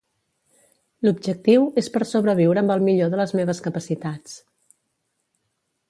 L'objectiu és per sobreviure amb el millor de les meves capacitats.